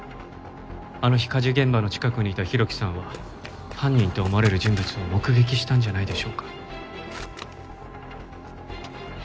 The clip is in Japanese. あの日火事現場の近くにいた浩喜さんは犯人と思われる人物を目撃したんじゃないでしょうか。